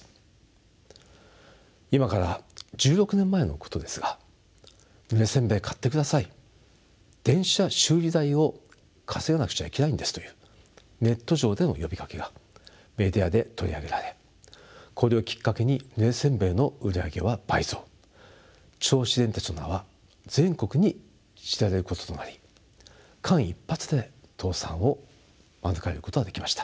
今から１６年前のことですが「ぬれ煎餅買ってください電車修理代を稼がなくちゃいけないんです」というネット上での呼びかけがメディアで取り上げられこれをきっかけにぬれ煎餅の売り上げは倍増銚子電鉄の名は全国に知られることとなり間一髪で倒産を免れることができました。